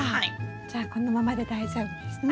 じゃあこのままで大丈夫ですね？